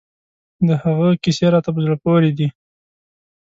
د هغه کیسې راته په زړه پورې دي.